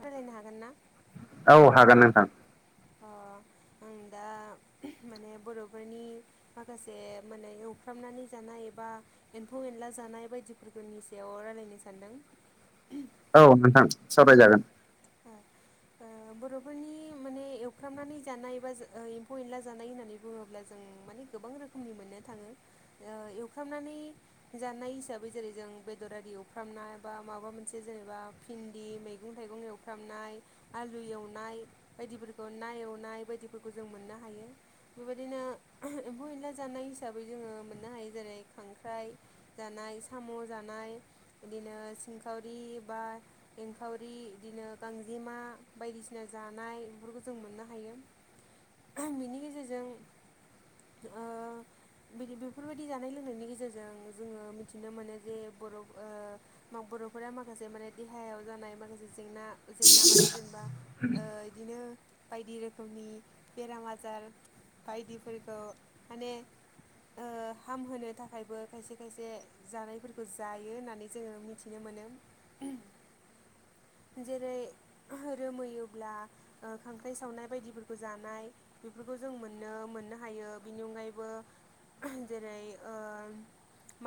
रायलायनो हागोन ना औ हागोन नोंथां। अ आं दा [inaudible] माने बर'फोरनि माखासे माने एवफ्रामनानै जानाय एबा एम्फौ-एनला जानाय नाय बायदिफोरखौनि सायाव रायलायनो सानदों औ नोंथां सावरायजागोन। ओ बर'फोरनि माने एवफ्रामनानै जानाय एबा जो ओ एम्फौ-एनला जानाय होननानै बुङोब्ला जों माने गोबां रोखोमनि मोननो थाङो ओ एवफ्रामनानै जानाय हिसाबै जेरै जों बेदर आरि एवफ्रामनाय बा माबा मोनसे जेनेबा फिन दि मैगं-थाइगं एवफ्रामनाय, आलु एवनाय बायदिफोरखौ ना एवनाय बायदिफोरखौ जों मोननो हायो बेबायदिनो एम्फौ एनला जानाय हिसाबै जोङो मोननो हायो जेरै- खां ख्राइ जानाय, साम' जानाय, बिदिनो सिंखावरि बा एंखावरि, बिदिनो गांजेमा बायदिसिना जानाय बेफोरखौ जों मोननो हायो। बिनि गेजेरजों ओ बेफोरबायदि जानाय लोंनायनि गेजेरजों जोङो मिथिनो मोनो जे बर' ओ बर'फोरा माखासे माने दे हायाव जानाय माखासे जेंना, जेंना मानि जेनेबा ओ बिदिनो बायदि रोखोमनि बेराम आजार बायदिफोरखौ माने ओ हामहोनो थाखायबो खायसे खायसे जानायफोरखौ जायो होननानै जोङो मिथिनो मो नो। [inaudible] जेरै रोमोयोब्ला खांख्राइ सावनाय बायदिफोरखौ जानाय बेफोरखौ जों मोननो मोननो हायो बिनि अनगायैबो जेरै ओ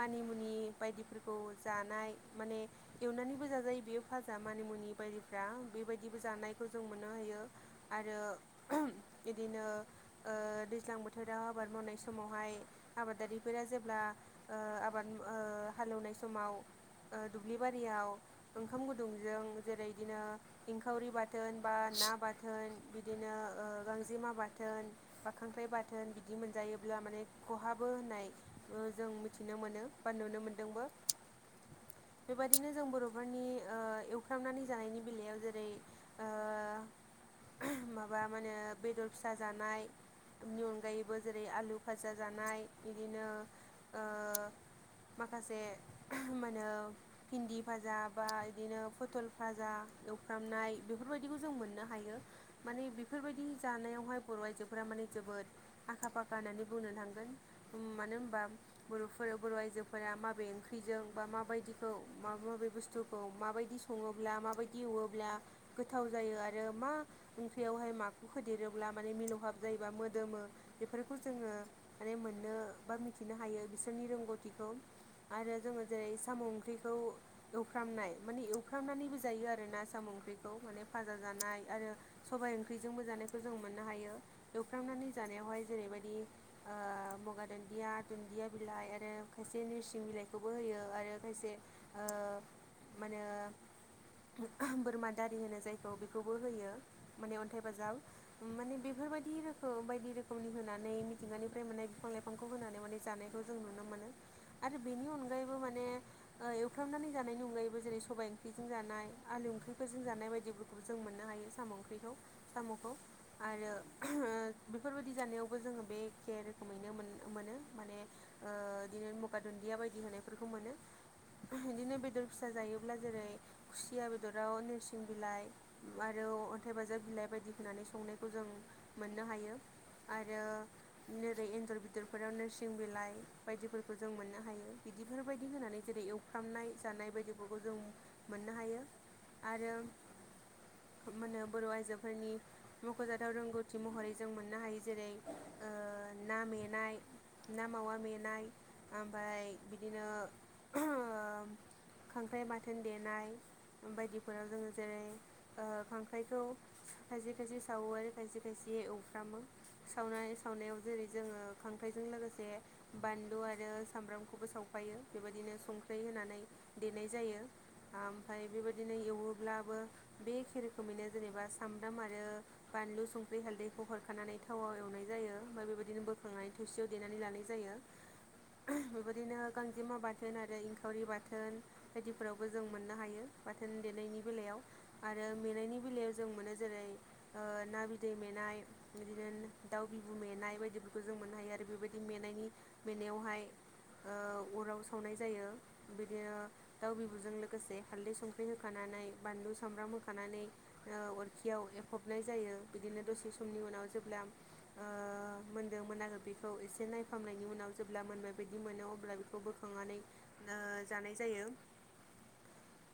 मानिमुनि बायदिफोरखौ जानाय माने एवनानैबो जाजायो बेयो भाजा मानिमुनि बायदिफ्रा बेबायदिबो जानायखौ जों मोननो हायो आरो बिदिनो ओ दैज्लां बोथोराव आबाद मावनाय समावहाय आबादारिफोरा जेब्ला बा ओ आबाद औ हालेवनाय समाव ओ दुब्लि बारियाव ओंखाम गुदुंजों जेरै बिदिनो इंखावरि बाथोन बा ना बाथोन बिदिनो ओ गांजेमा बाथोन बा खांख्राइ बाथोन बिदि मोनजायोब्ला माने खहाबो होननाय ओ जों मिथिनो मोनो बा नुनो मोनदोंबो। [inaudible] बेबायदिनो जों बर' [inaudible] फ्रा एवफ्रामनानै जानायनि बेलायाव जेरै ओ माबा माहोनो बेदर फिसा जानाय बिनि अनगायैबो जेरै आलु भाजा जानाय बिदिनो ओ माखासे मा होनो भिन्दी भाजा बा बिदिनो फटल भाजा एवफ्रामनाय बेफोरबायदिखौ जों मोननो हायो, माने बिफो रबायदि जानायावहाय बर'आइजोफोरा माने जोबोद आखा फाखा होननानै बुंनो थांगोन, मानो होनबा बर'फोरा बर' आइजोफोरा माबे ओंख्रिजों बा माबायदिखौ माबा माबे बु स्थुखौ माबायदि सङोब्ला माबायदि एवोब्ला गोथाव जायो आरो मा ओंख्रियावहाय माखौ होदेरोब्ला माने मिलौहाब जायोबा मोदोमो बेफोरखौ जोङो माने मोननो बा मिथिनो हायो, बिसोरनि रोंगौथिखौ आरो जोङो जेरै साम' ओंख्रिखौ एवफ्रामनाय माने एवफ्रामनानैबो जायो आरो ना साम' ओंख्रिखौ माने फाजा जानाय आरो सबाय ओंख्रिजोंबो जानायखौ जों मोननो हायो एवफ्रामनानै जानायावहाय जेरैबायदि ओ गंगार दुन्दिया, दुन्दिया बिलाइ आरो खायसे नोरसिं बिलाइखौबो होयो आरो खायसे ओ मा होनो बोरमा दारि होनो जायखौ बेखौबो होयो माने अन्थाइ बाजाब माने बेफोर बायदि रोखोम बायदि रोखोमनि होनानै मिथिंगानिफ्राय मोननाय बिफां-लाइफांखौ होनानै माने जानायखौ जों नुनो मोनो। आरो बेनि अनगायैबो माने ओ एवफ्रामनानै जानायनि अनगायैबो जेरै सबाय ओंख्रिजों जानाय, आलु ओंख्रिफोरजों जानाय बायदिफोरखौबो जों मोननो हायो साम' ओंख्रिखौ साम'खौ। आरो ओ बेफोरबायदि जानायावबो जोङो बे एखे रोखोमैनो मोन मोनो माने ओ इदिनो मुगा दुन्दिया बायदि होनायफोरखौ मोनो इदिनो बे बेदर फिसा जायोब्ला जेरै खुसिया बेदराव नोरसिं बिलाइ आरोव अन्थाइ बाजाब बि बिलाइ बायदि होनानै संनायखौ जों मोननो हायो। आरो नोरै एन्जर बेदरफोराव नोरसिं बिलाइ बायदिफोरखौ जों मोननो हायो। बिदिफोरबायदि होनानै जेरै एवफ्रामनाय जानाय बायदिखौबो जों मोननो हायो आरो मोनो बर आइजोफोरनि मखजाथाव रोंगौथि महरै जों मोननो हायो जेरै ओ ना मेनाय ना मावा मेनाय ओमफ्राय बिदिनो ओहो ओ [inaudible] खांख्राइ बाथोन देनाय बायदिफोराव जोंङो जेरै ओ खांख्राइखौ खायसे खायसे सावो आरो खायसे खायसे एवफ्रामो सावनाय सावनायाव जेरै जोंङो खांख्रायजों लोगोसे बानलु आरो सामब्रामखौबो सावफा फायो बेबायदिनो संख्रि होनानै देनाय जायो। ओमफ्राय बेबायदिनो एवोब्लाबो बे एखे रोखोमैनो जेनेबा सामब्राम आरो बा बानलु संख्रि हालदैखौ हरखानानै थावाव एवनाय जायो ओमफ्राय बेबायदिनो बोखांनानै थुसियाव देनानै लानाय जायो। [inaudible] बेबायदिनो गांजेमा बाथोन आरो इंखावरि बाथोन बाथोन बायदिफोरावबो जों मोननो हायो बाथोन देनायनि बेलायाव आरो मेनायनि बेलायाव जों मोनो जेरै ओ ना बिदै मेनाय बिदिनो दाउ बिबु मेनाय बायदिफोरखौ जों मोननो हायो आरो बेबायदिनायनि मेनायनि मेनायावहाय ओ अराव सावनाय जायो। बिदिनो दाउ बिबुजों लोगोसे हाल्दै संख्रि होखानानै बानलु सामब्राम होखानानै ओ अरखियाव एफबनाय जायो बिदिनो दसे समनि उनाव जेब्ला ओ मोनदों मोनाखै बेखौ एसे नायफामनायनि उनाव जेब्ला मोनबायबायायदि मोनो अब्ला बेखौ बोखां नानै ओ जानाय जायो। [inaudible]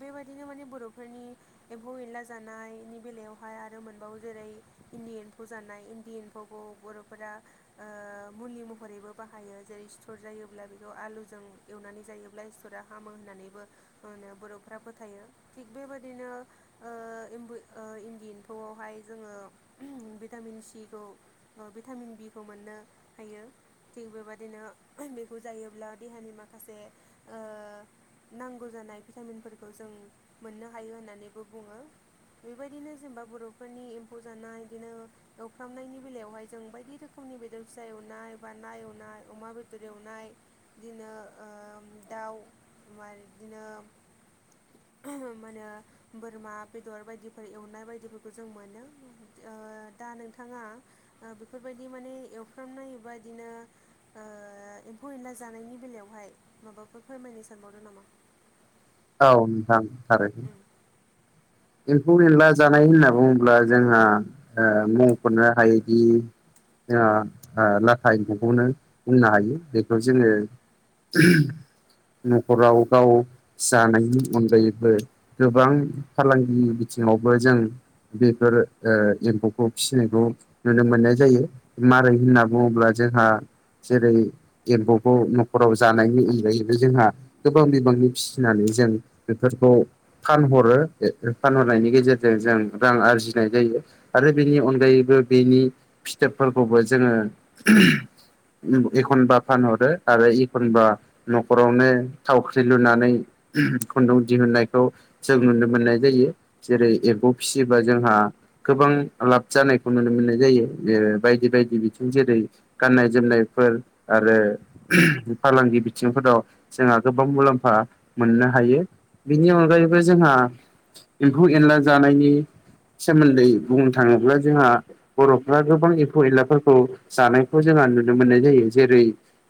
बेबायदिनो माने बरफोरनि एम्फौ एनला जानायनि बेलायावहाय आरो मोनबावो जेरै इन्दि एम्फौ जानाय इन्दि एम्फौखौ बरफोरा ओ मुलि महरैबो बाहा बाहायो जेरै स्थर जायोब्ला बेखौ आलुजों एवनानै जायोब्ला सिथरा हामो होननानैबो मा होनो बरफोरा फोथायो थिग बेबायदिनो ओ इम्बुय इन्दि एम्फौआवहाय जोंङो भिटामिन सिखौ ओ भिटामिन बि खौ मोननो हायो थिग बेबादिनो बेखौ जायोब्ला देहानि माखासे ओ नांगौ जानाय भिटामिनफोरखौ जों मोननो हायो होननानैबो बुङो। बेबायदिनो जेनेबा बरफोरनि एम्फौ जानाय बिदिनो एवफ्रामनायनि बेलायावहाय जों बायदि रोखोम नि बेदर फिसा एवनाय बा ना एवनाय अमा बेदर एवनाय बिदिनो ओ दाउ [unintelligible] बिदिनो मा होनो बोरमा बेदर बायदिफोर एवनाय बायदिफोरखौ जों मोनो ओ दा नोंथाङा ओ बेफोरबायदि माने एवफ्रामनाय एबा इदिनो ओ एम्फौ एनला जानायनि बेलायावहाय माबाफोर फोरमायनो सानबावदों नामा? औ नोंथां थारैनो उम एम्फौ एनला जानाय होनना बुङोब्ला जोंहा मुंफोरनो हायैदि जों ओ लाथा एम्खौखौनो होननो हायो बेखौ जोंङो [unintelligible] नखराव गाव जानायनि अनगायैबो गोबां फालांगि बिथिङावबो जों बेफोर ओ एम्फौखौ फिसिनायखौ नुनो मोननाय जायो मारै होनना बुङोब्ला जोंहा जेरै एम्फौखौ नखराव जानायनि अनगायैबो जोंहा गोबां बिबांनि फिसिनानै जों बेफोरखौ फानहरो फानहरनायनि गेजेरजों जों रां आरजिनाय जायो आरो बेनि अनगायैबो बेनि फिथोबफोरखौबो जोङो उम एखनबा फानहरो आरो एखनबा न'खरावनो थावख्रि लुनानै खुन्दुं दिहुननायखौ जों नुनो मोननाय जायो जेरै एम्फौ फिसियोबा जोंहा गोबां लाब जानायखौ नुनो मोननाय जायो। ओ बायदि बायदि बिथिं जेरै गाननाय जोमनायफोर आरो फालांगि बिथिंफोराव जोंहा गोबां मुलाम्फा मोननो हायो। बिनि अनगायैबो जोंहा एम्फौ एनला जानायनि सोमोन्दै बुंनो थाङोब्ला जोंहा बर'फ्रा गोबां एम्फौ एनलाफोरखौ जानायखौ जोङो नुनो मोननाय जायो जेरै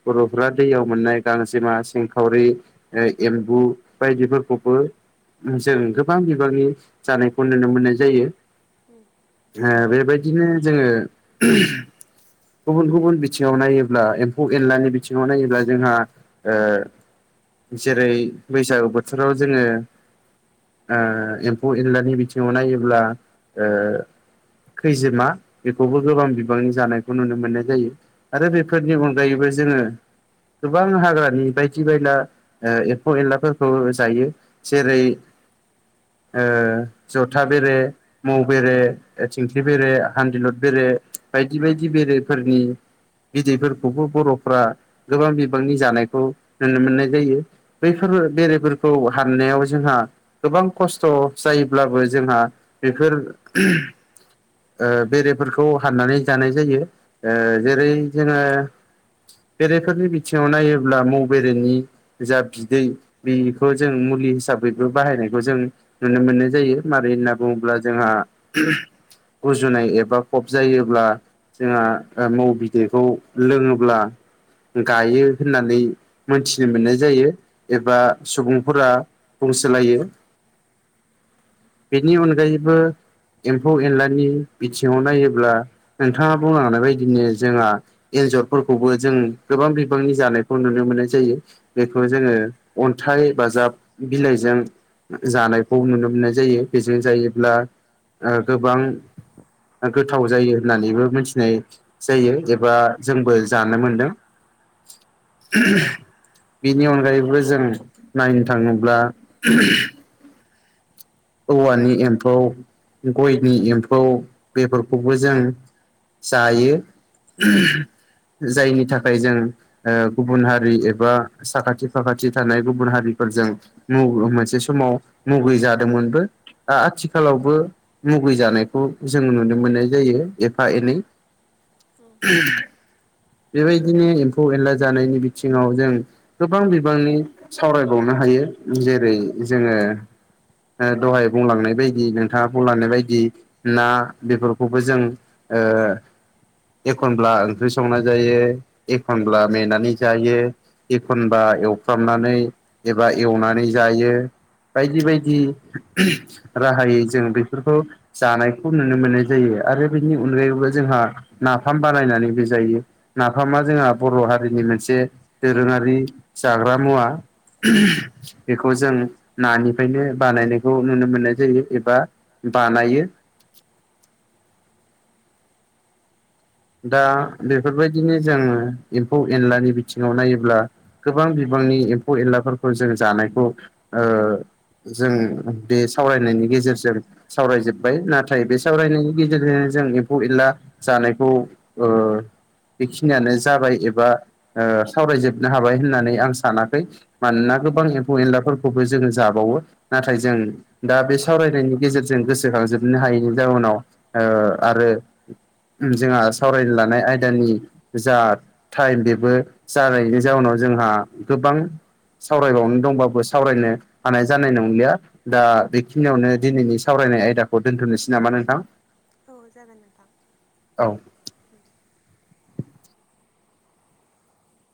बर'फोरा दैयाव मोननाय गांजेमा सिंखावरि ओ एम्बु बायदिफोरखौबो जों गोबां बिबांनि जानायखौ नुनो मोननाय जायो। उम ओ बेबाय दिनो जोङो गुबुन गुबुन बिथिङाव नायोब्ला एम्फौ एनलानि बिथिङाव नायोब्ला जोंहा ओ जेरै बैसागु बोथोराव जोङो ओ एम्फौ एनलानि बिथिङाव नायोब्ला ओ खैजोमा बेखौबो गोबां बिबांनि जानायखौ नुनो मोननाय जायो आरो बेफोरनि अनगायैबो जोङो गोबां हाग्रानि बायदि बायला ओ एम्फौ एनलाफोरखौ जायो जेरै ओ जथा बेरे, मौ बेरे, थिंख्लि बेरे, हान्दिलर बेरे, बायदि बायदि बेरेफोरनि बिदैफोरखौबो बर'फ्रा गोबां बिबांनि जानायखौ नुनो मोननाय जायो। बैफोर बेरेफोरखौ हाननायाव जोंहा गोबां खस्थ' जायोब्लाबो जोंहा बेफोर ओ बेरेफोरखौ हाननानै जानाय जायो ओ जेरै जोङो बेरेफोरनि बिथिङाव नायोब्ला मौ बेरेनि जा बिदै बेखौ जों मुलि हिसाबैबो बाहायनायखौ जों नुनो मोननाय जायो मारै होनना उम बुङोब्ला जोंहा गुजुनाय एबा कब जायोब्ला जोंहा मौ बिदैखौ लोङोब्ला गायो होननानै मोनथिनो मोननाय जायो एबा सुबुंफोरा बुंसोलायो। बेनि अनगायैबो एम्फौ एनलानि बिथिङाव नायोब्ला नोंथाङा बुंनो हानाय बायदिनो जोंहा एनजरफोरखौबो जों गोबां बिबांनि जानायखौ नुनो मोननाय जायो। बेखौ उम जोङो अन्थाइ बाजाब बिलाइजों जानायखौ नुनो मोननाय जायो, बेजों जायोब्ला ओ गोबां गोथाव जायो होननानैबो मिथिनाय जायो एबा जोंबो जानो मोनदों। [unintelligible] बिनि अनगायैबो जों नायनो थाङोब्ला औवानि एम्फौ, गयनि एम्फौ बेफोरखौबो जों जायो जायनि थाखाय जों ओ गुबुन हारि एबा साखाथि फाखाथि थानाय गुबुन हारि फोरजों मु मोनसे समाव मुगै जादोंमोनबो। दा आथिखालावबो मुगै जानायखौ जों नुनो मोननाय जायो एफा एनै। उम बेबायदिनो एम्फौ एनला जानायनि बिथिङाव जों गोबां बिबांनि सावरायबावनो हायो जेरै जोङो ओ दहाय बुंलांनाय बायदि नोंथाङा बुंलांनाय बायदि ना बेफोरखौबो जों ओ एखनब्ला ओंख्रि संना जायो, एखमब्ला मेनानै जायो एखनबा एवफ्रामनानै एबा एवनानै जायो। बायदि बायदि राहायै जों बेफोरखौ जानायखौ नुनो मोननाय जायो। आरो बेनि अनगायैबो जोंहा नाफाम बानायनानैबो जायो। नाफामा जोंहा बर' हारिनि मोनसे दोरोङारि जाग्रा मुवा। बेखौ जों नानिफ्रायनो बानायनायखौ नुनो मोननाय जायो एबा बानायो। दा बेफोरबायदिनो जोङो एम्फौ एनलानि बिथिङाव नायोब्ला गोबां बिबां गोबांनि एम्फौ एनलाफोरखौ जों जानायखौ जों बे सावरायनायनि गेजेरजों सावरायजोबबाय नाथाय बे सावरायनायनि गेजेरजों जों एम्फौ एनला जानायखौ बेखिनियानो जाबाय एबा सावरायजोबनो हाबाय होननानै आं सान- सानाखै मानोना उम गोबां एम्फौ एनलाफोर खौबो जोङो जाबावो नाथाय जों दा बे सावरायनायनि गेजेरजों गोसोखांजोबनो हायैनि जाउनाव ओ आरो जोंहा सावरायनो लानाय आयदानि जा टाइम बेबो जानायनि जाउनाव जोंहा बां सावरायबावनो दंबाबो सावरायनो हानाय जानाय नंलिया दा बेखिनियावनो दिनैनि सावराय फरायनाय आयदाखौ दोनथनोसै नामा नोंथां? औ जागोन नोंथां। औ। उम